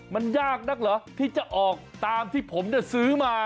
มันยากนักเหรอที่จะออกตามที่ผมซื้อมา